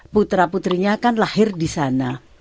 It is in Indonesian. putra putrinya kan lahir di sana